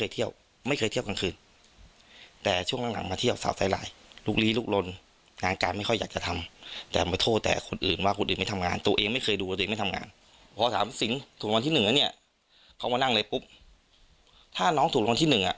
ถ้าน้องถูกลงที่หนึ่ง